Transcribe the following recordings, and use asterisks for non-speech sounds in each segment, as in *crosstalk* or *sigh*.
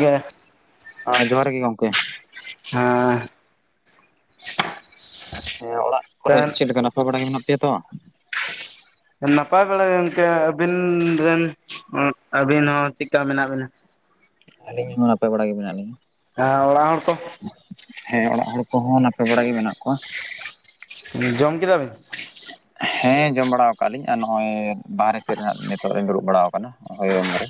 ᱜᱮ ᱟᱸ ᱡᱚᱦᱟᱨ ᱜᱮ ᱜᱚᱢᱠᱮ ᱦᱮᱸ ᱦᱮᱸ ᱚᱲᱟᱜ ᱠᱚᱨᱮ ᱪᱮᱫ ᱞᱮᱠᱟ ᱱᱟᱯᱟ ᱵᱟᱲᱟ ᱜᱮ ᱢᱮᱱᱟᱜ ᱯᱮᱭᱟ ᱛᱚ ᱱᱟᱯᱟᱭ ᱵᱟᱲᱟ ᱜᱚᱢᱠᱮ ᱟᱹᱵᱤᱱ ᱨᱮᱱ ᱟᱹᱵᱤᱱ ᱦᱚᱸ ᱪᱮᱫᱠᱟ ᱢᱮᱱᱟᱜ ᱵᱤᱱᱟ? ᱟᱹᱞᱤᱧ ᱦᱚᱸ ᱱᱟᱯᱟᱭ ᱵᱟᱲᱟ ᱜᱮ ᱢᱮᱱᱟᱜ ᱞᱤᱧᱟᱹ᱾ ᱦᱮ ᱚᱲᱟᱜ ᱦᱚᱲ ᱫᱚ ᱦᱮᱸ ᱚᱲᱟᱜ ᱦᱚᱲ ᱠᱚᱦᱚᱸ ᱱᱟᱯᱮ ᱵᱟᱲᱟ ᱜᱮ ᱢᱮᱱᱟᱜ ᱠᱚᱣᱟ, ᱡᱚᱢ ᱠᱮᱫᱟ ᱵᱮᱱ ᱦᱮᱸ ᱡᱚᱢ ᱵᱟᱲᱟ ᱟᱠᱟ ᱟᱞᱤᱧ ᱟᱨ ᱱᱚᱜᱼᱚᱭ ᱵᱟᱨᱦᱮ ᱥᱮᱫ ᱨᱮ ᱱᱤᱛᱚᱜ ᱞᱤᱧ ᱫᱩᱲᱩᱵ ᱵᱟᱲᱟ ᱟᱠᱟᱱᱟ᱾ ᱦᱳᱭᱚᱝ ᱨᱮ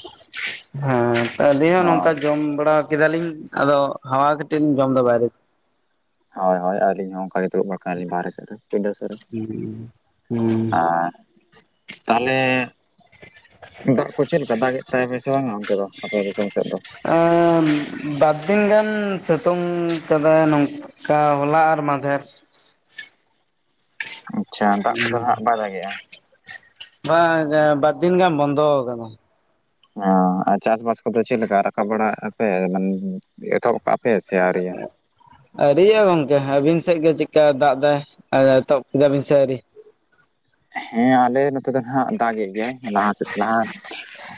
ᱦᱮᱸ ᱟᱹᱞᱤᱧ ᱦᱚᱸ ᱱᱚᱝᱠᱟ ᱦᱳᱭ ᱡᱚᱢ ᱵᱟᱲᱟ ᱠᱮᱫᱟᱞᱤᱧ ᱟᱫᱚ ᱦᱟᱣᱟ ᱠᱟᱹᱴᱤᱡ ᱞᱤᱧ ᱡᱚᱢ ᱮᱫᱟ ᱵᱟᱭᱨᱮ ᱦᱚᱭ ᱦᱚᱭ ᱟᱹᱞᱤᱧ ᱦᱚᱸ ᱚᱱᱠᱟ ᱜᱮ ᱫᱩᱲᱩᱵ ᱵᱟᱲᱟ ᱟᱹᱞᱤᱧ ᱵᱟᱦᱨᱮ ᱥᱮᱜ ᱨᱮ ᱯᱤᱸᱰᱟᱹ ᱥᱮᱜ ᱨᱮ ᱦᱩᱸ ᱦᱩᱸ ᱮᱸᱜ ᱛᱟᱦᱞᱮ ᱫᱟᱜ ᱠᱚ ᱪᱮᱫ ᱞᱮᱠᱟ ᱫᱟᱜ ᱮᱫ ᱛᱟᱯᱮ ᱥᱮ ᱵᱟᱝᱟ ᱚᱱᱛᱮ ᱫᱚ ᱟᱯᱮ ᱫᱤᱥᱚᱢ ᱥᱮᱜ ᱫᱚ ᱮᱸ ᱵᱟᱨ ᱫᱤᱱ ᱜᱟᱱ ᱥᱤᱛᱳᱝ ᱠᱟᱫᱟᱭ ᱱᱚᱝ ᱠᱟ ᱦᱚᱞᱟ ᱟᱨ ᱢᱟᱫᱷᱮᱨ ᱟᱪᱪᱷᱟ ᱫᱟᱜ ᱠᱚᱫᱚ ᱦᱟᱸᱜ ᱵᱟᱭ ᱫᱟᱜᱮᱜ-ᱟ᱾ ᱵᱟᱸᱭ ᱫᱟ ᱵᱟᱨ ᱫᱤᱱ ᱜᱟᱢ ᱵᱚᱱᱫᱚ ᱟᱠᱟᱱᱟ᱾ ᱷᱚᱸ ᱟᱨ ᱪᱟᱥᱵᱟᱥ ᱠᱚᱫᱚ ᱪᱮᱫ ᱞᱮᱠᱟ ᱨᱟᱠᱟᱵ ᱵᱟᱲᱟ ᱟᱯᱮ ᱢᱟᱱ ᱮᱛᱚᱦᱚᱵ ᱠᱟᱜ ᱯᱮ ᱥᱮ ᱟᱣᱨᱤᱭᱟᱹ᱾ ᱟᱣᱹᱨᱤᱭᱟᱜ-ᱟ ᱜᱚᱝᱠᱮ ᱟᱹᱵᱤᱱ ᱥᱮᱜ ᱜᱮ ᱪᱮᱜᱠᱟ ᱫᱟᱜ ᱫᱟᱭ ᱮᱛᱦᱚᱵ ᱠᱮᱫᱟ ᱵᱤᱱ ᱥᱮ ᱟᱹᱣᱨᱤ? ᱦᱮᱸ ᱟᱞᱮ ᱱᱚᱛᱮ ᱫᱚ ᱱᱟᱜ ᱫᱟᱜ ᱮᱜ ᱜᱮᱭᱟᱭ ᱞᱟᱦᱟ ᱥᱮᱫ ᱞᱟᱦᱟ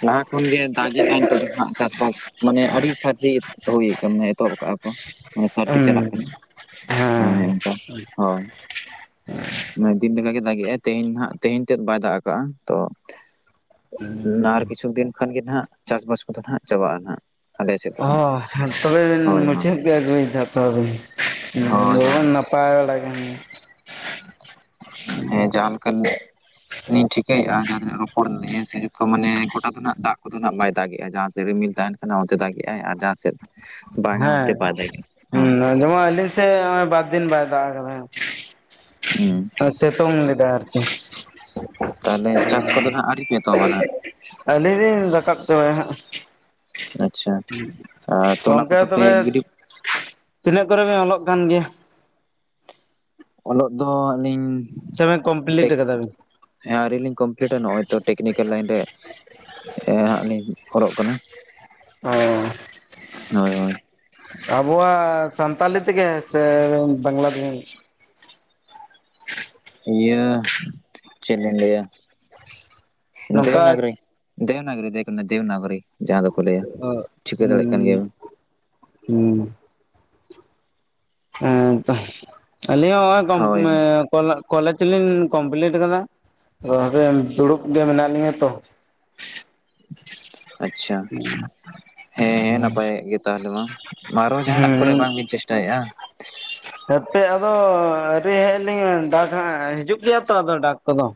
ᱞᱟᱦᱟ ᱠᱷᱚᱱᱜᱮ ᱫᱟᱜᱤᱜ-ᱟᱭ ᱱᱤᱛᱳᱜ ᱫᱚ ᱱᱟᱜ ᱪᱟᱥᱵᱟᱥ ᱢᱟᱱᱮ ᱟᱹᱰᱤ ᱥᱟᱹᱨᱫᱤ ᱦᱩᱭ ᱠᱟᱱ ᱢᱟᱱᱮ ᱮᱛᱚᱦᱚᱵ ᱠᱟᱜ-ᱟ ᱠᱚ ᱢᱟᱱᱮ ᱥᱟᱹᱨᱫᱤ ᱦᱩᱸ ᱪᱟᱞᱟᱜ ᱠᱟᱱᱟ ᱦᱮᱸ ᱚᱝᱠᱟ ᱦᱚᱭ ᱫᱤᱱ ᱞᱮᱠᱟᱜᱮ ᱫᱟᱜ-ᱮᱜ ᱟᱭ ᱛᱮᱦᱮᱧ ᱛᱮᱦᱮᱧ ᱛᱮᱫ ᱵᱟᱭ ᱫᱟᱜ ᱠᱟᱜ-ᱟ ᱛᱚ ᱞᱟᱨ ᱠᱤᱪᱷᱩ ᱫᱤᱱ ᱠᱷᱟᱱ ᱜᱮ ᱱᱟᱜ ᱪᱟᱥᱵᱟᱥ ᱠᱚᱫᱚ ᱦᱟᱸᱜ ᱪᱟᱵᱟᱜ-ᱟ ᱱᱟᱜ ᱚ ᱦᱮᱸ ᱛᱚᱵᱮ ᱵᱤᱱ ᱦᱳᱭ ᱦᱳᱭ ᱢᱩᱪᱟᱹᱫ ᱜᱮ ᱟᱹᱜᱩᱭᱫᱟ ᱛᱚ ᱵᱤᱱ ᱦᱳᱭ ᱦᱳᱭ *inaudible* ᱱᱟᱯᱟ ᱯᱟᱭ ᱵᱟᱲᱟ ᱞᱟᱜᱟᱱ᱾ ᱮᱸ ᱡᱟᱦᱟᱸ ᱞᱮᱠᱟᱱ ᱱᱤᱧ ᱴᱷᱤᱠᱟᱹᱭᱮᱜᱼᱟ ᱡᱟᱦᱟᱸ ᱛᱤᱱᱟᱹ ᱨᱚᱯᱚᱲ ᱱᱮ ᱥᱮ ᱡᱚᱛᱚ ᱢᱟᱱᱮ ᱜᱚᱴᱟ ᱥᱮᱫ ᱱᱟᱜ ᱫᱟᱜ ᱠᱚᱫᱚ ᱱᱟᱜ ᱵᱟᱭ ᱫᱟᱜᱮᱜ-ᱟ ᱡᱟᱦᱟᱸ ᱥᱮ ᱨᱤᱢᱤᱞ ᱛᱟᱸᱦᱮᱱ ᱠᱟᱱᱟ ᱚᱱᱛᱮ ᱫᱟᱜᱮᱜᱼᱟᱭ ᱟᱨ ᱡᱟᱦᱟᱸ ᱥᱮᱫ ᱵᱟᱝᱟ ᱚᱱᱛᱮ ᱵᱟᱭ ᱫᱟᱜᱮᱜᱼᱟ ᱦᱚᱸ᱾ ᱟᱸᱡᱚᱢᱟ ᱟᱹᱞᱤᱧ ᱥᱮᱜ ᱦᱚᱸᱜᱼᱚᱭ ᱵᱟᱨᱫᱤᱱ ᱵᱟᱭ ᱫᱟᱜ ᱦᱩᱸ ᱠᱟᱫᱟ᱾ ᱥᱮᱛᱳᱝ ᱞᱮᱫᱟᱭ ᱟᱨᱠᱤ᱾ ᱛᱟᱦᱞᱮ ᱪᱟᱥ ᱠᱚᱫᱚ ᱱᱟᱜ ᱟᱹᱣᱨᱤᱯᱮ ᱮᱛᱦᱚᱵᱟ ᱱᱟᱜ? ᱟᱣᱞᱤ ᱞᱤᱧ ᱨᱟᱠᱟᱵ ᱪᱟᱵᱟᱭᱟ ᱦᱟᱸᱜ᱾ ᱟᱪᱪᱷᱟ ᱟᱨ ᱛᱚᱞᱟ ᱜᱚᱝᱠᱮ ᱠᱚᱫᱚ ᱯᱮ ᱛᱚᱵᱮ ᱜᱤᱰᱤ ᱛᱤᱱᱟᱹᱜ ᱠᱚᱨᱮ ᱵᱤᱱ ᱚᱞᱚᱜ ᱠᱟᱱ ᱜᱮᱭᱟ? ᱚᱞᱚᱜ ᱫᱚ ᱟᱞᱤᱧ ᱥᱮᱵᱤᱱ ᱠᱚᱢᱯᱞᱤᱴ ᱠᱟᱫᱟ ᱵᱤᱱ᱾ ᱦᱮᱸ ᱟᱹᱣᱨᱤ ᱞᱤᱧ ᱠᱚᱢᱯᱞᱤᱴᱟ ᱱᱚᱜᱼᱚᱭ ᱛᱚ ᱴᱮᱠᱱᱤᱠᱮᱞ ᱞᱟᱭᱤᱱ ᱨᱮ᱾ ᱮ ᱦᱟᱸᱜ ᱞᱤᱧ ᱚᱞᱚᱜ ᱠᱟᱱᱟ᱾ ᱦᱚᱸ᱾ ᱦᱳᱭ ᱦᱳᱭ᱾ ᱟᱵᱚᱣᱟᱜ ᱥᱟᱱᱛᱟᱞᱤ ᱛᱮᱜᱮ ᱥᱮ ᱵᱟᱝᱞᱟ ᱛᱮ ᱵᱤᱱ᱾ ᱤᱭᱟᱹ ᱪᱮᱫ ᱞᱤᱧ ᱞᱟᱹᱭᱟ ᱱᱚᱝᱠᱟ ᱫᱮᱹᱵᱽᱱᱟᱜᱚᱨᱤ᱾ ᱫᱮᱵᱽᱱᱟᱜᱚᱨᱤ ᱫᱮᱵ ᱫᱮᱵᱽᱱᱟᱜᱚᱨᱤ ᱡᱟᱦᱟᱸ ᱫᱚᱠᱚ ᱞᱟᱹᱭᱟ ᱴᱷᱤᱠᱟᱹ ᱫᱟᱲᱮᱜ ᱠᱟᱱ ᱦᱩᱸ ᱜᱮᱭᱟᱵᱤᱱ᱾ ᱦᱩᱸ᱾ ᱦᱮᱸ ᱛᱚ ᱟᱹᱞᱤᱧ ᱦᱚᱸ ᱦᱳᱭ ᱦᱚᱸᱜᱼᱚᱭ ᱦᱳᱭ *inaudible* ᱠᱚᱞᱟ ᱠᱚᱞᱮᱡᱽ ᱞᱤᱧ ᱠᱚᱢᱯᱤᱞᱴ ᱟᱠᱟᱫᱟ ᱟᱫᱚ ᱫᱩᱲᱩᱵ ᱜᱮ ᱢᱮᱱᱟᱜ ᱞᱤᱧᱟᱹ ᱛᱚ᱾ ᱟᱪᱪᱷᱟ᱾ ᱦᱮᱸ ᱦᱮᱸ ᱱᱟᱯᱟᱭᱮᱜ ᱜᱮ ᱛᱟᱦᱞᱮ ᱢᱟ ᱟᱨᱚ ᱡᱟᱦᱟᱸᱱᱟᱜ ᱠᱚᱨᱮ ᱦᱮᱸ ᱵᱟᱝ ᱵᱤᱱ ᱪᱮᱥᱴᱟᱭᱮᱜᱼᱟ᱾ *inaudible* ᱦᱮᱯᱮᱜ ᱟᱫᱚ ᱟᱹᱣᱨᱤ ᱦᱮᱡ ᱟᱹᱞᱤᱧ ᱰᱟᱠ ᱦᱟᱸᱜ ᱦᱤᱡᱩᱜ ᱜᱮᱭᱟ ᱛᱚ ᱟᱫᱚ ᱰᱟᱠ ᱠᱚᱫᱚ᱾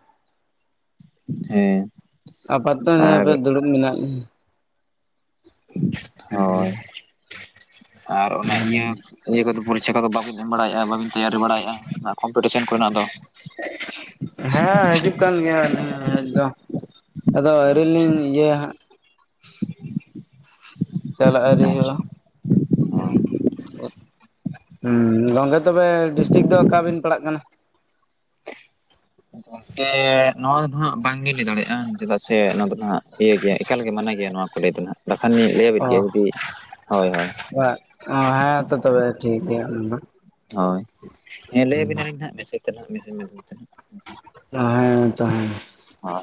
ᱦᱮᱸ᱾ ᱟᱯᱟᱛ ᱛᱚ ᱱᱤᱭᱟᱹ ᱟᱨ ᱦᱟᱯᱮ ᱫᱩᱲᱩᱵ ᱢᱮᱱᱟᱜ ᱞᱤᱧᱟ᱾ ᱦᱚᱭ ᱟᱨ ᱚᱱᱮ ᱤᱭᱟᱹ ᱤᱭᱟᱹ ᱠᱚᱫᱚ ᱯᱚᱨᱤᱪᱷᱟ ᱠᱚᱫᱚ ᱵᱟᱵᱤᱱ ᱮᱢ ᱵᱟᱲᱟᱭᱮᱜᱼᱟ ᱵᱟᱹᱵᱤᱱ ᱛᱮᱭᱟᱨᱤ ᱵᱟᱲᱟᱭᱮᱫᱼᱟ ᱠᱚᱢᱯᱤᱴᱤᱥᱮᱱ ᱠᱚᱨᱮᱱᱟᱜ ᱫᱚ? ᱦᱮᱸ ᱦᱤᱡᱩᱜ ᱠᱟᱱ ᱜᱤᱭᱟ ᱦᱮᱡ ᱫᱚ᱾ ᱟᱫᱚ ᱟᱹᱣᱨᱤ ᱟᱪᱪᱷᱟ ᱞᱤᱧ ᱤᱭᱟᱹᱭᱟ ᱦᱟᱸᱜ᱾ *inaudible* ᱪᱟᱞᱟᱜ ᱟᱹᱨᱤ ᱦᱩᱭᱩᱜᱼᱟ ᱟᱪᱪᱷᱟ ᱦᱳᱭ ᱦᱸ ᱜᱚᱝᱜᱮ ᱛᱚᱵᱮ ᱰᱤᱥᱴᱤᱠ ᱫᱚ ᱚᱠᱟ ᱵᱤᱱ ᱯᱟᱲᱟᱜ ᱠᱟᱱᱟ? *unintelligible* ᱜᱚᱝᱠᱮ ᱱᱚᱣᱟ ᱫᱚ ᱦᱟᱸᱜ ᱵᱟᱝᱞᱤᱤᱱ ᱞᱟᱹᱭ ᱫᱟᱲᱮᱭᱟᱜᱼᱟ ᱪᱮᱫᱟᱜ ᱥᱮ ᱱᱚᱣᱟ ᱫᱚ ᱦᱟᱸᱜ ᱤᱭᱟᱹ ᱜᱮᱭᱟ ᱮᱠᱟᱞᱜᱮ ᱢᱟᱱᱟ ᱜᱮᱭᱟ ᱱᱚᱣᱟ᱾ ᱠᱚ ᱞᱟᱹᱭ ᱫᱚ ᱦᱟᱜ ᱵᱟᱠᱷᱟᱱᱞᱤᱧ ᱚ ᱞᱟᱹᱭᱟᱵᱤᱫᱱ ᱜᱮᱭᱟ ᱡᱩᱫᱤ ᱦᱳᱭ ᱦᱳᱭ᱾ *unintelligible* ᱚ ᱦᱮᱸ ᱛᱚ ᱛᱚᱵᱮ ᱴᱷᱤᱠ ᱜᱮᱭᱟ ᱱᱟᱦᱟᱜ ᱾ ᱦᱳᱭ ᱦᱮᱸ ᱞᱟᱹᱭᱟᱵᱤᱱᱟᱞᱤᱧ ᱱᱟᱜ ᱢᱮᱥᱮᱡ ᱛᱮᱱᱟᱜ ᱢᱮᱥᱮᱡ ᱢᱟᱫᱽᱫᱷᱚᱢ ᱛᱮᱱᱟᱜ᱾ ᱦᱮᱸ ᱛᱚ ᱦᱮᱸ᱾ ᱚ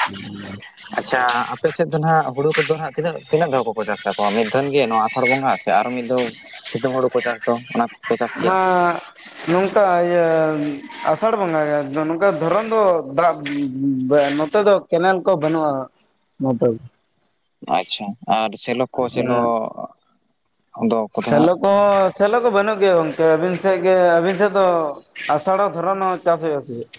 ᱦᱩ᱾ ᱟᱪᱪᱷᱟ ᱟᱯᱮ ᱥᱮᱫ ᱫᱚ ᱱᱟᱜ ᱦᱩᱲᱩ ᱠᱚᱫᱚ ᱱᱟᱜ ᱛᱤᱱᱟᱹᱜ ᱛᱤᱱᱟᱹᱜ ᱫᱷᱟᱣ ᱠᱚᱠᱚ ᱪᱟᱥᱟᱠᱚ ᱢᱤᱫ ᱫᱷᱟ. ᱱ ᱜᱮ ᱱᱚᱣᱟ ᱟᱥᱟᱲ ᱵᱚᱸᱜᱟ ᱥᱮ ᱟᱨ ᱢᱤᱫ ᱫᱷᱟᱣ ᱥᱤᱛᱩᱝ ᱦᱩᱲᱩ ᱠᱚ ᱪᱟᱥ ᱫᱚ ᱚᱱᱟ? ᱠᱚᱯᱮ ᱪᱟᱥ ᱜᱮᱭᱟ ᱟᱸᱻ ᱱᱚᱝᱠᱟ ᱤᱭᱟᱹ ᱟᱥᱟᱲ ᱵᱚᱸᱜᱟ ᱜᱮ, ᱟᱫᱚ ᱱᱚᱝᱠᱟ ᱫᱷᱚᱨᱚᱱ ᱫᱚ ᱫᱟᱜ ᱱᱚᱛᱮ ᱫᱚ ᱠᱮᱱᱮᱞ ᱠᱚ ᱵᱟᱹᱱᱩᱜ-ᱟ᱾ *unintelligible* ᱟᱪᱪᱷᱟ, ᱟᱨ ᱥᱮᱞᱚ ᱠᱚ ᱥᱮᱞᱚ? ᱟᱫᱚ ᱠᱚᱫᱚ ᱦᱟᱸᱜ ᱥᱮᱞᱚ ᱠᱚᱦᱚᱸ ᱥᱮᱞᱚ ᱠᱚ ᱵᱟᱹᱱᱩᱜ ᱜᱮᱭᱟ ᱜᱚᱝᱠᱮ ᱟᱹᱵᱤᱱ ᱥᱮᱫ ᱜᱮ ᱟᱹᱵᱤᱱ ᱥᱮᱫ ᱫᱚ ᱟᱥᱟᱲ ᱦᱚᱸ, ᱫᱷᱚᱨᱟᱱ ᱦᱚᱸ ᱪᱟᱥ ᱦᱩᱭᱩᱜ-ᱟ ᱥᱮ ᱪᱮᱫ?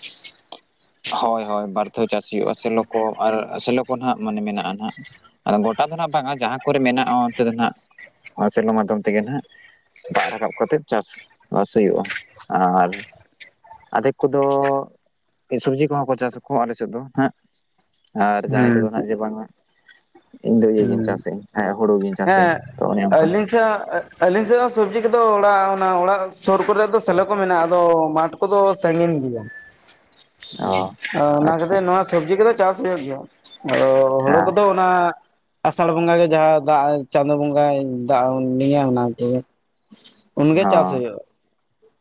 ᱦᱳᱭ ᱦᱳᱭ ᱵᱟᱨ ᱫᱷᱟᱣ ᱪᱟᱥ ᱦᱩᱭᱩᱜ-ᱟ᱾ ᱥᱮᱞᱚ ᱠᱚ ᱟᱨ ᱥᱮᱞᱚ ᱠᱚ ᱱᱟᱜ ᱢᱟᱱᱮ ᱢᱮᱱᱟᱜ-ᱟ ᱱᱟᱜ᱾ ᱟᱫᱚ ᱜᱚᱴᱟ ᱫᱚ ᱱᱟᱜ ᱵᱟᱝᱟ ᱡᱟᱦᱟᱸ ᱠᱚᱨᱮ ᱢᱮᱱᱟᱜ-ᱟ ᱚᱱᱛᱮ ᱫᱚ ᱱᱟᱜ ᱥᱮᱞᱚ ᱢᱟᱫᱽᱫᱷᱚᱢ ᱛᱮᱜᱮ ᱱᱟᱜ᱾ ᱫᱟᱜ ᱨᱟᱠᱟᱵ ᱠᱟᱛᱮᱫ ᱪᱟᱥ ᱵᱟᱥ ᱦᱩᱭᱩᱜ-ᱟ ᱟᱨ ᱟᱫᱷᱮᱠ ᱠᱚᱫᱚ ᱥᱚᱵᱽᱡᱤ ᱠᱚᱦᱚᱸ ᱠᱚ ᱪᱟᱥᱟᱠᱚ ᱟᱞᱮ ᱥᱮᱫ ᱫᱚ ᱦᱟᱸᱜ, ᱟᱨ ᱡᱟᱦᱟᱸᱭ ᱠᱚᱫᱚ ᱦᱩᱸ ᱱᱟᱜ ᱡᱮ ᱵᱟᱝᱟ ᱤᱧ ᱫᱚ ᱤᱭᱟᱹ ᱜᱤᱧ ᱦᱩᱸ ᱪᱟᱥᱟᱹᱧ, ᱦᱮᱸ ᱦᱩᱲᱩ ᱜᱤᱧ ᱪᱟᱥᱟᱹᱧ ᱛᱚ ᱚᱱᱮ ᱚᱝᱠᱟ᱾ ᱡᱟᱻ ᱮ ᱟᱹᱞᱤᱧ ᱥᱮᱫ ᱦᱚᱸ ᱥᱚᱵᱡᱤ ᱠᱚᱫᱚ ᱚᱲᱟᱜ ᱚᱲᱟᱜ ᱥᱩᱨ ᱠᱚᱨᱮ ᱫᱚ ᱥᱮᱞᱚ ᱠᱚ ᱢᱮᱱᱟᱜ-ᱟ ᱟᱫᱚ ᱢᱟᱴᱷ ᱠᱚᱫᱚ ᱥᱟᱺᱜᱤᱧ ᱜᱮᱭᱟ᱾ *inaudible* ᱚ, ᱚᱱᱟ ᱟᱪᱪᱷᱟ ᱠᱟᱛᱮᱫ ᱱᱚᱣᱟ ᱥᱚᱵᱡᱤ ᱠᱚᱫᱚ ᱪᱟᱥ ᱦᱩᱭᱩᱜ ᱜᱮᱭᱟ᱾ ᱟᱫᱚ ᱦᱩᱲᱩ ᱦᱮᱸ ᱠᱚᱫᱚ ᱚᱱᱟ ᱟᱥᱟᱲ ᱵᱚᱸᱜᱟ ᱜᱮ ᱡᱟᱦᱟᱸ ᱫᱟᱜ ᱪᱟᱸᱫᱚ ᱵᱚᱸᱜᱟᱭ ᱫᱟᱜ *unintelligible* ᱩᱱᱜᱮ ᱪᱟᱥ ᱦᱩᱭᱩᱜ-ᱟ᱾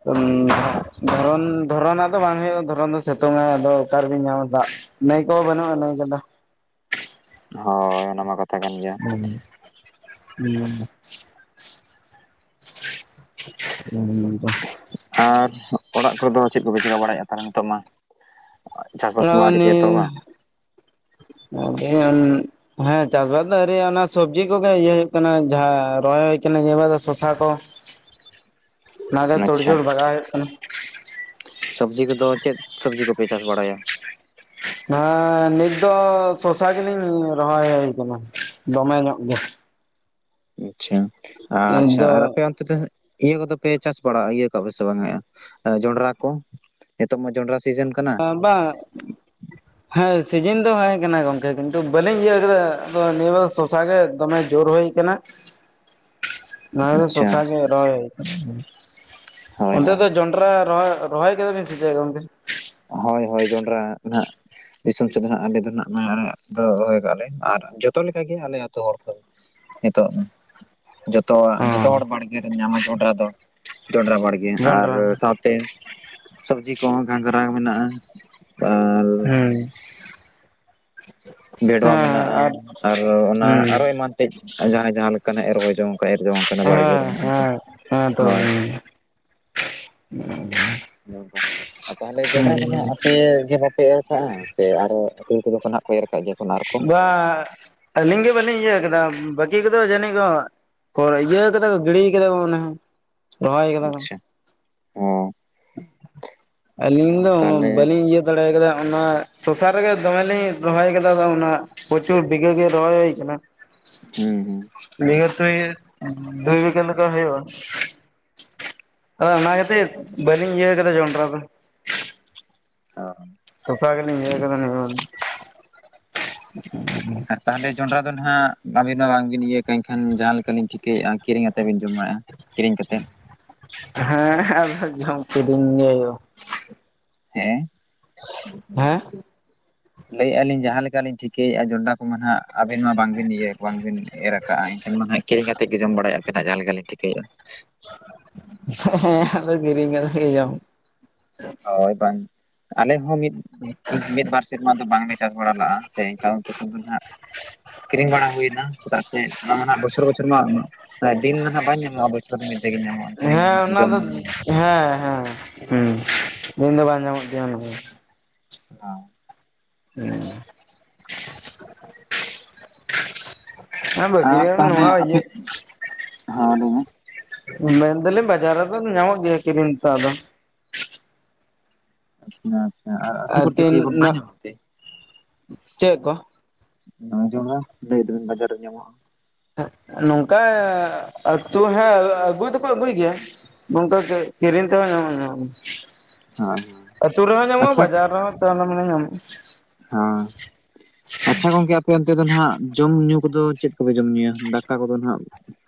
ᱩᱸᱻ ᱟᱪᱪᱷᱟ᱾ ᱫᱷᱚᱨᱚᱱ, ᱫᱷᱚᱨᱚᱱᱟᱜ ᱫᱚ ᱵᱟᱝ ᱦᱩᱭᱩᱜ-ᱟ ᱫᱷᱚᱨᱚᱱ ᱫᱚ ᱥᱤᱛᱩᱝᱟᱭ ᱟᱫᱚ ᱚᱠᱟᱨᱮᱵᱤᱱ ᱧᱟᱢᱟ ᱫᱟᱜ? ᱱᱟᱹᱭ ᱠᱚ ᱵᱟᱹᱱᱩᱜ-ᱟ ᱱᱟᱹᱭ ᱜᱟᱰᱟ? ᱦᱳᱭ ᱚᱱᱟᱢᱟ ᱠᱟᱛᱷ *unintelligible* ᱦᱩᱸ᱾ *unintelligible* ᱟᱨ ᱚᱲᱟᱜ ᱠᱚᱨᱮ ᱫᱚ ᱪᱮᱫ ᱠᱚᱯᱮ ᱪᱮᱠᱟ ᱵᱟᱲᱟᱭᱮᱜ-ᱟ ᱛᱟᱦᱞᱮ ᱱᱤᱛᱳᱜ ᱢᱟ? ᱪᱟᱥᱵᱟᱥ ᱢᱟ ᱦᱚᱸ ᱱᱤᱭᱟᱹᱻ ᱟᱹᱣᱨᱤ ᱯᱮ ᱮᱛᱚᱦᱚᱵᱟ *unintelligible* ᱦᱮᱸ ᱪᱟᱥᱵᱟᱥ ᱫᱚ ᱟᱣᱨᱤᱭᱟᱜ-ᱟ, ᱚᱱᱟ ᱥᱚᱵᱽᱡᱤ ᱠᱚᱜᱮ ᱤᱭᱟᱹ ᱦᱩᱭᱩᱜ ᱠᱟᱱᱟ ᱡᱟᱸᱦᱟ ᱨᱚᱦᱚᱭ ᱦᱩᱭ ᱠᱟᱱᱟ ᱱᱤᱭᱟᱹ ᱵᱟᱨ ᱫᱚ ᱥᱚᱥᱟ ᱠᱚ᱾ *inaudible* ᱚᱱᱟᱜᱮ ᱟᱪᱪᱷᱟ ᱛᱳᱲᱡᱳᱲ ᱵᱟᱜᱟᱣ ᱦᱩᱭᱩᱜ ᱠᱟᱱᱟ᱾ ᱥᱚᱵᱽᱡᱤ ᱠᱚᱫᱚ ᱪᱮᱫ ᱥᱚᱵᱡᱤ ᱠᱚᱯᱮ ᱪᱟᱥ ᱵᱟᱲᱟᱭᱟ? ᱦᱮᱸ ᱱᱤᱛ ᱫᱚ ᱥᱚᱥᱟ ᱜᱮᱞᱤᱧ ᱨᱚᱦᱚᱭ ᱦᱩᱭ ᱠᱟᱱᱟ ᱫᱚᱢᱮ ᱧᱚᱜ ᱜᱮ᱾ ᱟᱪᱪᱷᱟ, ᱱᱤᱛ ᱟᱪᱪᱷᱟ ᱫᱚ ᱟᱨ ᱟᱯᱮ ᱚᱱ *unintelligible* ᱤᱭᱟᱹ ᱠᱚᱫᱚᱯᱮ ᱪᱟᱥ ᱵᱟᱲᱟᱜ ᱤᱭᱟᱹ ᱠᱟᱜ-ᱟ ᱯᱮ ᱥᱮ ᱵᱟᱝᱟ, ᱡᱚᱸᱰᱨᱟ ᱠᱚ? ᱱᱤᱛᱳᱜ ᱢᱟ ᱡᱚᱸᱰᱨᱟ ᱥᱤᱡᱤᱱ ᱠᱟᱱᱟ᱾ ᱟ ᱵᱟᱝ᱾ ᱦᱮᱸ ᱥᱤᱡᱤᱱ ᱫᱚ ᱦᱮᱸ ᱠᱟᱱᱟ ᱜᱚᱝᱠᱮ᱾ ᱠᱤᱱᱛᱩ ᱵᱟᱹᱞᱤᱧ ᱤᱭᱟᱹ ᱠᱟᱫᱟ ᱟᱫᱚ ᱱᱤᱭᱟᱹ ᱵᱟᱨ ᱫᱚ ᱥᱚᱥᱟ ᱜᱮ ᱫᱚᱢᱮ ᱡᱳᱨ ᱦᱩᱭ ᱟᱠᱟᱱᱟ᱾ *inaudible* *inaudible* ᱞᱟᱦᱟ ᱫᱚ ᱥᱚᱥᱟ ᱜᱮ ᱨᱚᱦᱚᱭ ᱦᱩᱭ ᱠᱟᱱᱟ ᱦᱩᱸ, ᱦᱳᱭ ᱚᱸᱰᱮ ᱦᱳᱭ ᱫᱚ ᱡᱚᱸᱰᱨᱟ ᱨᱚᱦᱚᱭ, ᱨᱚᱦᱚᱭ ᱠᱟᱫᱟ ᱵᱤᱱ ᱥᱮ ᱪᱮᱫ ᱜᱚᱝᱠᱮ? ᱦᱳᱭ ᱦᱳᱭ ᱡᱚᱸᱰᱨᱟ ᱱᱟᱦᱟᱜ, ᱫᱤᱥᱚᱢ ᱥᱮᱫ ᱫᱚ ᱱᱟᱜ ᱟᱞᱮ ᱫᱚ ᱱᱟᱜ *unintelligible* ᱫᱚ ᱨᱚᱦᱚᱭ ᱠᱟᱜ-ᱟ ᱞᱮ, ᱟᱨ ᱡᱚᱛᱚ ᱞᱮᱠᱟ ᱜᱮ ᱟᱞᱮ ᱟᱹᱛᱩ ᱦᱚᱲ ᱠᱚᱦᱚᱸ ᱱᱤᱛᱚᱜ᱾ ᱡᱚᱛᱚᱣᱟᱜ, ᱚ ᱡᱷᱚᱛᱚ ᱦᱚᱲ ᱵᱟᱲᱜᱮ ᱨᱮᱢ ᱧᱟᱢᱟ ᱡᱚᱸᱰᱨᱟ ᱫᱚ ᱡᱚᱸᱰᱨᱟ ᱵᱟᱲᱜᱮ ᱟᱨ ᱡᱚᱱᱰᱨᱟ ᱥᱟᱯ ᱛᱮ ᱥᱚᱵᱡᱤ ᱠᱚᱦᱚᱸ ᱜᱷᱟᱸᱜᱨᱟ ᱢᱮᱱᱟᱜᱼᱟ। ᱟᱨ ᱦᱮᱸ, ᱵᱷᱮᱰᱚᱣᱟ ᱢᱮᱱᱟᱜᱼᱟ ᱟᱨ ᱚᱱᱟ ᱦᱩᱸ ᱦᱮᱸ ᱟᱨᱚ ᱮᱢᱟᱱ ᱛᱮᱫ ᱡᱟᱦᱟᱸᱭ ᱡᱟᱦᱟᱸ ᱞᱮᱠᱟᱱᱟᱜ ᱮ ᱨᱚᱦᱚᱭ ᱡᱚᱝ ᱠᱟᱱᱟ ᱮᱨ ᱡᱚᱝ ᱠᱟᱱᱟ ᱵᱟᱲᱜᱮ ᱦᱮᱸ ᱨᱮ ᱥᱮ ᱦᱮᱸ ᱦᱮᱸ ᱛᱚ ᱦᱳᱭ ᱦᱮᱸ। ᱚᱝᱠᱟ ᱛᱟᱦᱚᱞᱮ ᱡᱚᱱᱰᱨᱟ ᱫᱚ ᱦᱟᱸᱜ ᱟᱯᱮ ᱜᱮ ᱵᱟᱯ ᱮᱨ ᱠᱟᱜᱼᱟ ᱥᱮ ᱟᱨᱚ ᱟᱹᱛᱩ *unintelligible* ᱠᱷᱟᱱᱟᱜ ᱠᱚ ᱮᱨ ᱠᱟᱜᱼᱟ? ᱵᱟ ᱟᱹᱞᱤᱧ ᱜᱮ ᱵᱟᱹᱞᱤᱧ ᱤᱭᱟᱹ ᱠᱟᱫᱟ ᱵᱟᱹᱠᱤ ᱠᱚᱫᱚ ᱡᱟᱹᱱᱤᱡ ᱠᱚ ᱠᱚ ᱤᱭᱟᱹ ᱠᱟᱫᱟ ᱠᱚ ᱜᱤᱲᱤ ᱠᱟᱫᱟ ᱠᱚ ᱢᱚᱱᱮ ᱦᱚᱭ। ᱨᱚᱦᱚᱭ ᱟᱪᱪᱷᱟ ᱚ, ᱟᱞᱤ ᱫᱚ ᱛᱟᱦᱚᱞᱮ ᱵᱟᱞᱤᱧ ᱤᱭᱟ ᱫᱟᱲᱮ ᱠᱟᱫᱟ ᱚᱱᱟ ᱥᱚᱥᱟ ᱨᱮᱜᱮ ᱫᱚᱢᱮ ᱞᱤᱧ ᱨᱚᱦᱚᱭ ᱟᱠᱟᱫᱟ ᱚᱱᱟ ᱯᱨᱪᱩᱨ ᱵᱤᱜᱮ ᱜᱮ ᱨᱚᱦᱚᱭ ᱦᱩᱭ ᱠᱟᱱᱟ। ᱦᱮᱸ ᱦᱩᱸ। ᱱᱤᱭᱟᱹ ᱛᱩᱭ ᱫᱩ ᱵᱤᱜᱷᱟ ᱞᱮᱠᱟ ᱦᱩᱭᱩᱜ-ᱟ। ᱟᱫᱚ ᱚᱱᱟ ᱠᱷᱟᱹᱛᱤᱨ ᱵᱟᱹᱞᱤᱧ ᱤᱭᱟᱹ ᱠᱟᱫᱟ ᱡᱚᱸᱰᱨᱟ ᱫᱚ। ᱚ, ᱥᱚᱥᱟ ᱜᱮᱞᱤᱧ ᱤᱭᱟᱹ ᱠᱟᱫᱟ ᱱᱮᱥ ᱫᱚ। ᱟᱜ ᱛᱟᱦᱚᱞᱮ ᱡᱚᱸᱰᱨᱟ ᱫᱚ ᱦᱟᱜ ᱟᱵᱤᱱ ᱢᱟ ᱵᱟᱝᱵᱤᱱ ᱤᱭᱟᱹ ᱠᱟᱜᱼᱟ ᱮᱱᱠᱷᱟᱱ ᱡᱟᱦᱟᱸ ᱞᱮᱠᱟᱞᱤᱧ ᱴᱷᱤᱠᱟᱹᱭᱮᱫᱼᱟ ᱠᱤᱨᱤᱧ ᱟᱛᱮᱫ ᱵᱤᱱ ᱡᱚᱢ ᱼᱟ? ᱠᱤᱨᱤᱧ ᱠᱟᱛᱮᱫ? ᱦᱮᱸ ᱟᱫᱚ ᱡᱚᱢ ᱠᱤᱫᱤᱧ ᱜᱮ ᱦᱩᱭᱩᱜ-ᱟ। ᱦᱮᱸ, ᱦᱮᱸ, ᱞᱟᱹᱭᱮᱫᱼᱟ ᱞᱤᱧ ᱡᱟᱦᱟᱸ ᱞᱮᱠᱟᱞᱤᱧ ᱴᱷᱤᱠᱟᱹᱭᱮᱫᱼᱟ ᱡᱚᱱᱰᱨᱟ ᱠᱚᱢᱟ ᱦᱟᱜ ᱟᱹᱵᱤᱱ ᱢᱟ ᱵᱟᱝᱵᱤᱱ ᱤᱭᱟᱹ ᱵᱟᱝᱵᱤᱱ ᱮᱨ ᱟᱠᱟᱜ। ᱠᱟᱜᱼᱟ ᱮᱱᱠᱷᱟᱱ ᱢᱟ ᱦᱟᱜ ᱠᱤᱨᱤᱧ ᱠᱟᱛᱮ ᱜᱮ ᱡᱚᱢ ᱵᱟᱲᱟᱭ ᱟᱯᱮ ᱱᱟᱦᱟᱜ ᱡᱟᱦᱟᱸ ᱞᱮᱠᱟᱞᱤᱧ ᱴᱷᱤᱠᱟᱹᱭᱮᱫᱼᱟ? ᱦᱮᱸ ᱟᱫᱚ ᱠᱤᱨᱤᱧ ᱠᱟᱛᱮᱜ ᱜᱮ ᱡᱚᱢ ᱦᱳᱭ ᱵᱟᱝ ᱟᱞᱮ ᱦᱚᱸ ᱢᱤᱫ ᱢᱤᱫ ᱵᱟᱨ ᱥᱮᱨᱢᱟ ᱫᱚ ᱵᱟᱝᱞᱮ ᱪᱟᱥ ᱵᱟᱲᱟ ᱞᱟᱜᱼᱟ ᱥᱮ ᱮᱱᱠᱷᱟᱱ ᱛᱚᱠᱷᱚᱱ ᱫᱚ ᱱᱟᱜ ᱠᱤᱨᱤᱧ ᱵᱟᱲᱟ ᱦᱩᱭᱱᱟ ᱪᱮᱫᱟᱜ ᱥᱮ ᱚᱱᱟ ᱢᱟ ᱱᱟᱜ ᱵᱚᱪᱷᱚᱨ ᱵᱚᱪᱷᱚᱨ ᱢᱟ ᱫᱤᱱ ᱫᱚ ᱱᱟᱜ ᱵᱟᱝ ᱧᱟᱢᱚᱜᱼᱟ ᱵᱚᱪᱷ ᱢᱤᱫᱷᱟ ᱜᱮ ᱧᱟᱢᱚᱜ ᱮᱱᱠᱷᱟᱱ ᱚᱱᱟ ᱡᱚᱢ ᱫᱚ ᱦᱮᱸ ᱦᱮᱸ ᱦᱮᱸ ᱫᱤᱱ ᱫᱚ ᱵᱟᱝ ᱧᱟᱢᱚᱜ ᱜᱮᱭᱟᱹ ᱟᱱᱟ ᱫᱚ। ᱦᱮᱸ, ᱦᱮᱸ, ᱟᱨ ᱵᱟᱥᱭᱟᱢ ᱛᱟᱦᱚᱞᱮ ᱱᱚᱣᱟ ᱟᱯᱮ ᱤᱭᱟ ᱦᱮᱸ ᱞᱟᱹᱭ ᱢᱮ ᱢᱮᱱᱫᱟᱞᱤᱧ ᱵᱟᱡᱟᱨ ᱨᱮᱫᱚ ᱧᱟᱢᱚᱜ ᱜᱮᱭᱟ ᱠᱤᱨᱤᱧ ᱛᱮᱫᱚ ᱟᱫᱚ। ᱟᱪᱪᱷᱟ ᱟᱪᱪᱷᱟ ᱟᱨ ᱟᱹᱛᱩ ᱠᱚ ᱠᱚᱛᱚ ᱟᱨᱠᱤ ᱠᱤ ᱵᱟᱝ ᱧᱟᱡᱟᱢ ᱛᱮ? ᱪᱮᱫ ᱠᱚ ᱟᱧᱡᱚᱢᱟ ᱞᱟᱹᱭ ᱫᱟᱵᱤᱱ ᱵᱟᱡᱟᱨ ᱨᱮ ᱧᱟᱢᱚᱜᱼᱟ। ᱱᱚᱝᱠᱟ ᱟᱹᱛᱩ ᱦᱟᱜᱸ ᱟᱹᱜᱩᱭ ᱫᱚᱠᱚ ᱟᱹᱜᱩᱭ ᱜᱮᱭᱟ᱾ ᱱᱚᱝᱠᱟ ᱠᱤᱨᱤᱧ ᱛᱮᱦᱚᱸ ᱧᱟᱢᱚ ᱧᱟᱢᱟᱜ-ᱟ᱾ ᱦᱳᱭ ᱦᱳᱭ ᱟᱹᱛᱩ ᱨᱮᱦᱚᱸ ᱧᱟᱢᱚᱜᱼᱟ ᱵᱟᱡᱟᱨ ᱨᱮᱦᱚᱸ ᱛᱟ ᱢᱟᱱᱮ ᱧᱟᱢᱚᱜᱼᱟ᱾ ᱦᱮᱸ, ᱟᱪᱪᱷᱟ ᱜᱚᱝᱠᱮ ᱟᱯᱮ ᱚᱱᱛᱮ ᱫᱚ ᱱᱟᱜ ᱡᱚᱢ ᱧᱩ ᱠᱚᱫᱚ ᱪᱮᱫ ᱠᱚᱯᱮ ᱡᱚᱢ ᱧᱩᱭᱟ ᱫᱟᱠᱟ ᱠᱚᱫᱚ ᱱᱟᱜ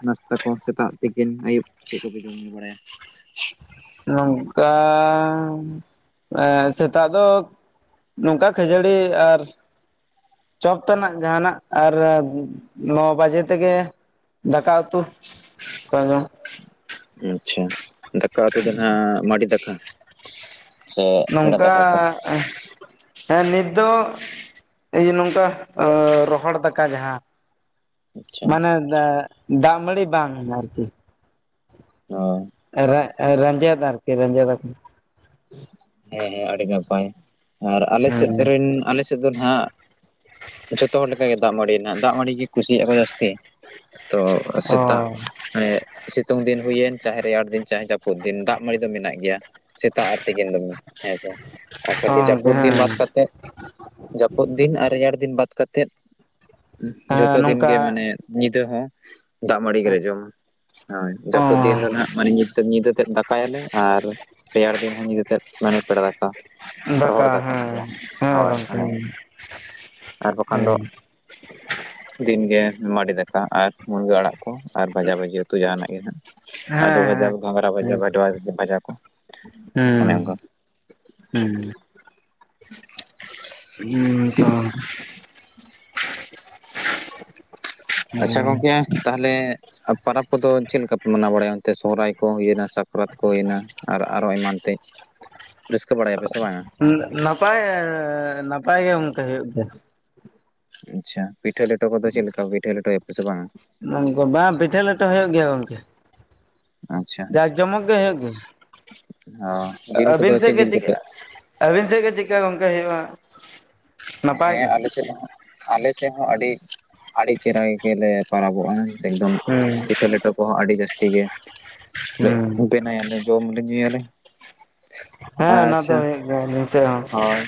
ᱱᱟᱥᱛᱟ ᱠᱚ ᱥᱮᱛᱟᱜ ᱛᱤᱠᱤᱱ ᱟᱹᱭᱩᱵ ᱪᱮᱫ ᱠᱚᱵᱮ ᱡᱚᱢ ᱧᱩ ᱵᱟᱲᱟᱭᱟ᱾ ᱛᱚᱝᱠᱟᱱ ᱮ ᱥᱮᱛᱟᱜ ᱫᱚ ᱱᱚᱝᱠᱟ ᱠᱷᱟᱹᱡᱟᱹᱲᱤ ᱟᱨ ᱪᱚᱯᱛᱟᱱᱟᱜ ᱡᱟᱦᱟᱸᱱᱟᱜ ᱟᱨ, ᱱᱚ ᱵᱟᱡᱮ ᱛᱮᱜᱮ ᱫᱟᱠᱟ ᱩᱛᱩ ᱠᱟᱫᱟ ᱾ ᱟᱪᱪᱷᱟ ᱫᱟᱠᱟ ᱩᱛᱩ ᱫᱚ ᱱᱟ ᱦᱟᱜ ᱢᱟᱰᱤ ᱫᱟᱠᱟ᱾ ᱥᱮ ᱯᱮᱲᱟ ᱱᱚᱝᱠᱟ ᱫᱟᱠᱟ ᱠᱚ ᱦᱮᱸ ᱱᱤᱛ ᱫᱚ ᱮᱭᱮ ᱱᱚᱝᱠᱟ ᱨᱚᱦᱚᱲ ᱫᱟᱠᱟ ᱡᱟᱦᱟᱸ᱾ ᱟᱪᱪᱷᱟ ᱢᱟᱱᱮ ᱫᱟ ᱫᱟᱜ ᱢᱟᱹᱲᱤ ᱵᱟᱝ ᱟᱨᱠᱤ᱾ ᱚ ᱨᱮ ᱨᱮᱱᱡᱮᱫ ᱟᱨᱠᱤ ᱨᱮᱡᱮᱫ ᱫᱟᱠᱚ᱾ ᱦᱮᱸ, ᱦᱮᱸ, ᱟᱹᱰᱤ ᱱᱟᱯᱟᱭ ᱟᱨ, ᱟᱞᱮ ᱥᱮᱫ ᱦᱮᱸ ᱨᱮᱱ ᱟᱞᱮ ᱥᱮᱫ ᱱᱤᱛᱚᱜ ᱫᱚ ᱦᱟᱜ ᱡᱷᱚᱛᱚ ᱦᱚᱲ ᱞᱮᱠᱟ ᱜᱮ, ᱫᱟᱜ ᱢᱟᱹᱲᱤᱭᱮᱱᱟ ᱫᱟᱜ ᱢᱟᱹᱲᱤ ᱜᱮ ᱠᱩᱥᱤᱭᱟᱜᱼᱟ ᱠᱚ ᱡᱟᱹᱥᱛᱤ᱾ ᱛᱚ ᱚ ᱥᱮᱛᱟᱜ ᱢᱟᱱᱮ ᱥᱤᱛᱩᱝ ᱫᱤᱱ ᱦᱩᱭᱮᱱ ᱪᱟᱦᱮ ᱨᱮᱭᱟᱲ ᱫᱤᱱ, ᱪᱟᱦᱮ ᱡᱟᱯᱩᱫ ᱫᱤᱱ ᱫᱟᱜ ᱢᱟᱹᱲᱤ ᱫᱚ ᱢᱮᱱᱟᱜ ᱜᱮᱭᱟ᱾ ᱥᱮᱛᱟᱜ ᱟᱨ ᱛᱤᱠᱤᱱ ᱫᱚᱢᱮ ᱦᱮᱸᱥᱮ, ᱟᱨ ᱠᱷᱟᱹᱞᱤ ᱜᱚᱝᱠᱮ ᱡᱟᱹᱯᱩᱫ ᱫᱤᱱ ᱦᱮᱸ ᱵᱟᱫ ᱠᱟᱛᱮᱫ ᱡᱟᱹᱯᱩᱫ ᱫᱤᱱ ᱟᱨ ᱨᱮᱭᱟᱲ ᱫᱤᱱ ᱵᱟᱫ ᱠᱟᱛᱮᱫ ᱡᱷᱚᱛᱚ ᱦᱮᱸ ᱫᱤᱱ ᱱᱚᱝᱠᱟ ᱜᱮ ᱢᱟᱱᱮ, ᱧᱤᱫᱟᱹ ᱦᱚᱸ ᱫᱟᱜ ᱢᱟᱹᱲᱤ ᱜᱮᱞᱮ ᱡᱚᱢᱟ᱾ ᱦᱳᱭ ᱚ ᱡᱟᱹᱯᱩᱫ ᱫᱤᱱ ᱫᱚ ᱱᱟᱦ, ᱢᱟᱱᱮ ᱧᱤᱛ ᱛᱮ ᱧᱤᱫᱟᱹ ᱛᱮᱫ ᱫᱟᱠᱟᱭᱟᱞᱮ, ᱟᱨ ᱨᱮᱭᱟᱲ ᱫᱤᱱ ᱦᱟᱜ ᱧᱤᱫᱟᱹᱛᱮᱫ᱾ ᱢᱟᱱᱮ ᱯᱮᱲᱟ ᱫᱟᱠᱟ, ᱨᱚᱦᱚᱲ ᱫᱟᱠᱟ ᱦᱮᱸ ᱦᱮᱸ ᱦᱳᱭ ᱜᱚᱝᱠᱮ ᱚᱱᱮ ᱦᱮᱸ ᱟᱨ ᱵᱟᱠᱷᱟᱱ ᱫᱚ, ᱦᱮᱸ ᱫᱤᱱᱜᱮ ᱢᱟᱰᱤ ᱫᱟᱠᱟ᱾ ᱫᱟᱠᱟ ᱟᱨ ᱢᱩᱱᱜᱟᱹ ᱟᱲᱟᱜ ᱠᱚ, ᱟᱨ ᱵᱷᱟᱡᱟ ᱵᱷᱟᱹᱡᱤ ᱩᱛᱩ ᱡᱟᱦᱟᱱᱟᱜ ᱜᱮ ᱦᱟᱸᱜ᱾ ᱟᱞᱩ ᱦᱮᱸ ᱵᱷᱟᱡᱟ, ᱜᱷᱚᱝᱨᱟ ᱵᱷᱟᱡᱟ, ᱵᱷᱟᱰᱣᱟ ᱤᱥᱤᱱ ᱵᱷᱟᱡᱟ ᱠᱚ᱾ ᱚᱱᱮ ᱦᱩᱸ, ᱚᱱᱠᱟ ᱦᱮᱸ, ᱦᱩᱸ ᱛᱚ ᱾ ᱟᱪᱪᱷᱟ ᱦᱮᱸ ᱜᱚᱝᱠᱮ ᱛᱟᱦᱚᱞᱮ ᱟᱨ ᱯᱚᱨᱟᱽ ᱠᱚᱫᱚ ᱪᱮᱫ ᱞᱮᱠᱟ ᱯᱮ ᱢᱟᱱᱟᱣ ᱵᱟᱲᱟᱭᱟ ᱚᱱᱛᱮ, ᱥᱚᱦᱚᱨᱟᱭ ᱠᱚ ᱦᱩᱭᱮᱱᱟ ᱥᱟᱠᱨᱟᱛ ᱠᱚ ᱦᱩᱭᱮᱱᱟ? ᱟᱨ ᱟᱨᱚ ᱮᱢᱟᱱ ᱛᱮᱫ, ᱨᱟᱹᱥᱠᱟᱹ ᱵᱟᱲᱟᱭᱟᱯᱮ ᱥᱮ ᱵᱟᱝ? ᱦᱩᱜ ᱱᱟᱯᱟᱭ ᱮ ᱱᱟᱯᱟᱭ ᱜᱮ ᱜᱚᱝᱠᱮ ᱦᱳᱭᱳᱜ ᱜᱮᱭᱟ ᱾ ᱟᱪᱪᱷᱟ ᱯᱤᱴᱷᱟᱹ ᱞᱮᱴᱚ ᱠᱚᱫᱚ ᱪᱮᱫ ᱞᱮᱠᱟ, ᱯᱤᱴᱷᱟᱹ ᱞᱮᱴᱚᱭᱟ ᱯᱮ ᱥᱮ ᱵᱟᱝᱟ? ᱜᱚᱝᱠᱮ ᱵᱟᱝ ᱯᱤᱴᱷᱟᱹ ᱞᱮᱴᱚ ᱦᱳᱭᱳᱜ ᱜᱮᱭᱟ ᱜᱚᱝᱠᱮ᱾ ᱟᱪᱪᱷᱟ ᱡᱟᱠ ᱡᱚᱢᱚᱠ ᱜᱮ ᱦᱳᱭᱳᱜ ᱜᱮᱭᱟ, ᱚ ᱡᱤᱞ ᱠᱚᱫᱚ ᱟᱹᱵᱤᱱ ᱥᱮᱫ ᱪᱮᱫ ᱜᱮ ᱡᱤᱞ ᱪᱤᱠᱟᱹ? ᱠᱚᱯᱮ ᱟᱹᱵᱤᱱ ᱥᱮᱫ ᱜᱮ ᱪᱮᱠᱟ ᱜᱚᱝᱠᱮ ᱦᱳᱭᱳᱜᱼᱟ᱾ ᱦᱮᱸ ᱟᱞᱮ ᱥᱮᱫ ᱦᱚᱸ ᱟᱞᱮ ᱥᱮᱫ ᱦᱚᱸ, ᱟᱹᱰᱤ ᱟᱹᱰᱤ ᱪᱮᱨᱦᱟ ᱜᱮᱞᱮ ᱯᱟᱨᱟᱚᱵᱚᱜᱼᱟ᱾ ᱮᱠᱫᱚᱢ ᱦᱩᱸ ᱯᱤᱴᱷᱟᱹ ᱞᱮᱴᱚ ᱠᱚᱦᱚᱸ, ᱟᱹᱰᱤ ᱡᱟᱹᱥᱛᱤ ᱜᱮ ᱞᱮ ᱦᱩᱸ ᱵᱮᱱᱟᱭᱟᱞᱮ᱾ ᱡᱚᱢᱟᱞᱮ ᱧᱩᱭᱟᱞᱮ, ᱦᱮᱸ ᱚᱱᱟ ᱫᱚ ᱟᱪᱪᱷᱟ ᱦᱩᱭᱩᱜ ᱜᱮᱭᱟ ᱟᱹᱞᱤᱧ ᱥᱮᱫ ᱦᱚᱸ ᱦᱚᱭ᱾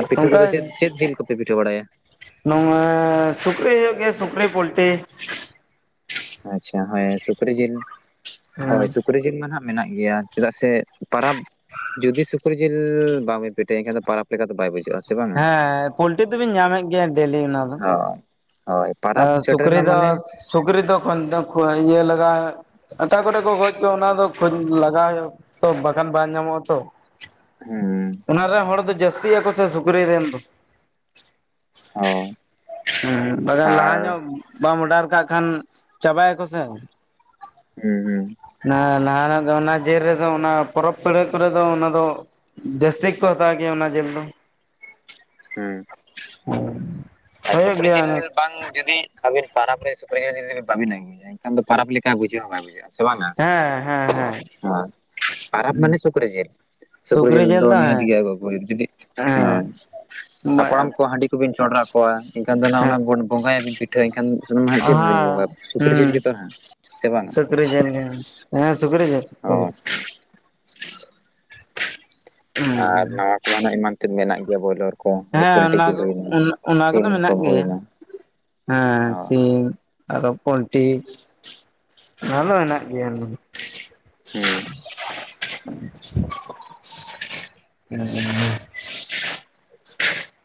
ᱟᱨ ᱯᱤᱴᱷᱟᱹ ᱚᱱᱠᱟ ᱠᱚᱫᱚ ᱪᱮᱫ ᱪᱮᱫ ᱡᱤᱞ ᱠᱚᱯᱮ ᱯᱤᱴᱷᱟᱹ ᱵᱟᱲᱟᱭᱟ? ᱱᱚᱣᱟ ᱥᱩᱠᱨᱤ ᱦᱳᱭᱳᱜ ᱜᱮᱭᱟ, ᱥᱩᱠᱨᱤ ᱯᱳᱞᱴᱤ᱾ ᱟᱪᱪᱷᱟ ᱦᱚᱭ ᱥᱩᱠᱨᱤ ᱡᱤᱞ, ᱦᱮᱸ ᱦᱳᱭ ᱥᱩᱠᱨᱤ ᱡᱤᱞ ᱢᱟ ᱱᱟᱦᱟᱜ ᱢᱮᱱᱟᱜ ᱜᱮᱭᱟ᱾ ᱪᱮᱫᱟᱜ ᱥᱮ ᱯᱟᱨᱟᱵᱽ ᱡᱩᱫᱤ ᱥᱩᱠᱨᱤ ᱡᱤᱞ ᱵᱟᱵᱮ ᱯᱤᱮᱴᱷᱟᱭᱟ, ᱮᱱᱠᱷᱟᱱ ᱯᱟᱨᱟᱵᱽ ᱞᱮᱠᱟ ᱫᱚ ᱵᱟᱭ ᱵᱩᱡᱷᱟᱹᱜᱼᱟ᱾ ᱥᱮ ᱵᱟᱝᱟ ᱦᱮᱸ ᱯᱳᱞᱴᱤ ᱫᱚᱵᱤᱱ ᱧᱟᱢᱮᱫ ᱜᱮᱭᱟ ᱰᱮᱞᱤ ᱚᱱᱟ ᱫᱚ᱾ ᱦᱳᱭ, ᱦᱳᱭ ᱯᱟᱨᱟᱵᱽ ᱥᱮᱴᱮ ᱥᱩᱠᱨᱤ ᱨᱮᱱᱟ ᱢᱟᱱᱮ ᱫᱚ ᱥᱩᱠᱨᱤ ᱫᱚ ᱠᱷᱚᱱᱫᱚᱜ ᱠᱩᱟᱭ ᱤᱭᱟᱹ ᱞᱟᱜᱟ ᱟᱠᱟ ᱠᱚᱨᱮ ᱠᱚ ᱜᱚᱡ ᱠᱚ ᱚᱱᱟ ᱫᱚ ᱠᱷᱚᱡ ᱞᱟᱜᱟᱣ ᱦᱳᱭᱳᱜᱼᱟ ᱛᱚ, ᱵᱟᱠᱷᱟᱱ ᱵᱟᱝ ᱧᱟᱢᱚᱜᱼᱟ ᱛᱚ᱾ ᱦᱩᱸ, ᱚᱱᱟ ᱨᱮ ᱦᱚᱲ ᱫᱚ ᱡᱟᱹᱥᱛᱤᱭᱟᱠᱚ ᱥᱮ ᱥᱩᱠᱨᱤ ᱨᱮᱱ ᱫᱚ᱾ ᱦᱳᱭ *inaudible* ᱵᱟᱠᱷᱟᱱ ᱞᱟᱦᱟ ᱧᱚᱜ ᱵᱟᱢ ᱚᱰᱟᱨ ᱠᱟᱜ ᱠᱷᱟᱱ ᱪᱟᱵᱟᱭᱟᱠᱚ ᱥᱮ ᱦᱩᱸ ᱦᱩᱸ ᱚᱱᱟ ᱱᱟᱣᱟᱱᱟᱜ ᱫᱚ ᱚᱱᱟ ᱡᱮᱞ ᱨᱮᱫᱚ ᱚᱱᱟ ᱯᱚᱨᱚᱵᱽ ᱯᱟᱹᱲᱦᱟᱹ ᱠᱚᱨᱮ ᱫᱚ ᱚᱱᱟ ᱫᱚ ᱡᱟᱹᱥᱛᱤ ᱜᱮᱠᱚ ᱦᱟᱛᱟᱣ ᱜᱮᱭᱟ ᱚᱱᱟ ᱡᱮᱞ ᱫᱚ᱾ ᱦᱮᱸ *unintelligible* ᱟᱨ ᱥᱩᱠᱨᱤ ᱜᱮᱭᱟ ᱡᱤᱞ ᱚᱱᱟ᱾ ᱵᱟᱝ ᱡᱩᱫᱤ ᱟᱹᱵᱤᱱ ᱯᱟᱨᱟᱵ ᱨᱮ ᱥᱩᱠᱨᱤ ᱡᱤᱞ ᱡᱩᱫᱤ ᱵᱟᱵᱤᱱ ᱟᱜᱩᱭᱟ ᱮᱱᱠᱷᱟᱱ ᱫᱚ ᱯᱟᱨᱟᱵ ᱞᱮᱠᱟ ᱵᱩᱡᱟᱹᱣ ᱦᱚᱸ ᱵᱟᱭ ᱵᱩᱡᱟᱹᱜᱼᱟ᱾ ᱥᱮ ᱵᱟᱝᱟ ᱦᱮᱸ ᱦᱮᱸ ᱦᱮᱸ ᱯᱟᱨᱟᱵᱽ ᱢᱟᱱᱮ ᱥᱩᱠᱨᱤ ᱡᱤᱞ᱾ ᱥᱩᱠᱨᱤ ᱡᱤᱞ ᱫᱚ ᱱᱤᱦᱟᱹᱛ ᱜᱮ ᱟᱹᱜᱩ-ᱟᱹᱜᱩᱭ ᱡᱩᱫᱤ ᱦᱳᱭ ᱦᱮᱸ ᱦᱟᱯᱲᱟᱢ ᱦᱮᱸ ᱦᱮᱸ ᱠᱚ ᱦᱟᱺᱰᱤ ᱛᱚ ᱵᱤᱱ ᱪᱚᱸᱰᱟᱜᱠᱚᱣᱟ ᱮᱱᱠᱷᱟᱱ ᱫᱚ ᱚᱱᱟ ᱚᱱᱟ ᱫᱚ ᱵᱚᱸᱜᱟᱭᱟᱵᱤᱱ ᱯᱤᱴ ᱯᱤᱴᱷᱟᱹᱭ ᱮᱱ ᱠᱷᱟᱱ ᱥᱩᱱᱩᱢ ᱦᱟᱸᱜ ᱪᱮᱫ ᱵᱤᱱ ᱵᱚᱸᱜᱟᱭᱟ ᱥᱩᱠᱨᱤ ᱡᱤᱞ ᱜᱮᱛᱚ ᱦᱟᱸᱜ ᱥᱮ ᱵᱟᱝᱟ? ᱦᱮᱸ ᱦᱮᱸ ᱥᱩᱠᱨᱤ ᱡᱮᱞ ᱦᱳᱭ ᱯᱤᱴᱷᱟᱹ᱾ ᱟᱨ ᱱᱟᱣᱟ ᱠᱚᱢᱟ ᱱᱟᱦᱟᱜ ᱮᱢᱟᱱ ᱛᱮᱱ ᱢᱮᱱᱟᱜ ᱜᱮᱭᱟ ᱵᱚᱭᱞᱚᱨ᱾ ᱠᱚ ᱦᱮᱸ ᱯᱳᱞᱴᱤ ᱚᱱᱟ ᱡᱤᱞ ᱠᱚ ᱦᱩᱭᱱᱟ ᱚᱱᱟ-ᱚᱱᱟ ᱠᱚᱫᱚ ᱥᱤᱢ ᱢᱮᱱᱟᱜ ᱠᱚ ᱜᱮᱭᱟ᱾ ᱦᱩᱭᱱᱟ ᱦᱮᱸ ᱦᱚᱸ ᱥᱤᱢ᱾ ᱟᱨᱚ ᱯᱚᱞᱴᱤ ᱚᱱᱟ ᱫᱚ ᱢᱮᱱᱟᱜᱮᱭᱟ᱾ ᱦᱩᱸ *unintelligible*